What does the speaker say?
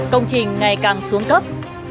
công trình ngày càng xuống cấp